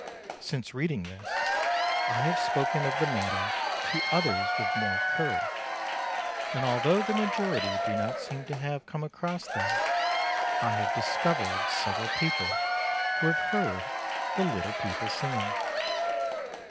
Since reading this, I have spoken of the matter to others with more courage; and although the majority do not seem to have come across them, I have discovered several people who have heard the Little People singing.